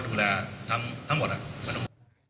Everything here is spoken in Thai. ดูแลทั้งหมดแล้ว